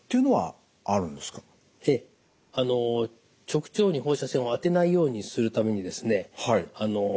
直腸に放射線を当てないようにするためにですね